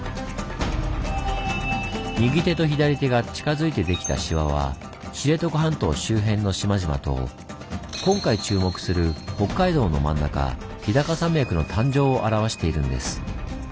右手と左手が近づいてできたシワは知床半島周辺の島々と今回注目する北海道の真ん中日高山脈の誕生を表しているんです。